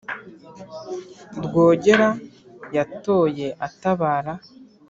Rwogera yatoye atabara